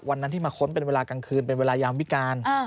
วันนั้นที่มาค้นเป็นเวลากลางคืนเป็นเวลายามวิการ